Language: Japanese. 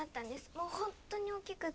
もう本当に大きくって。